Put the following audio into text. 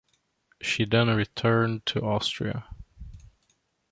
She then returned to Austria.